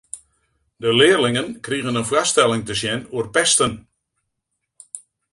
De learlingen krigen in foarstelling te sjen oer pesten.